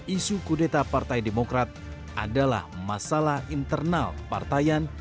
isu kudeta partai demokrat adalah masalah internal partaian